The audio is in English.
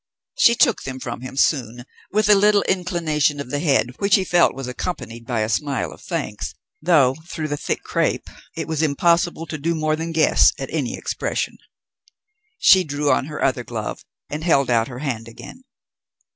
She took them from him soon, with a little inclination of the head which he felt was accompanied by a smile of thanks, though through the thick crape it was impossible to do more than guess at any expression. She drew on her other glove and held out her hand again.